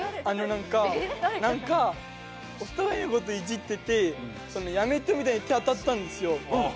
あの何か何かお互いのこといじってて「やめて」みたいに手当たったんですよ